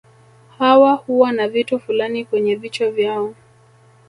Hawa huwa na vitu fulani kwenye vichwa vyao